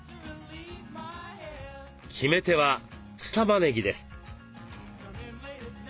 決め手は酢たまねぎです。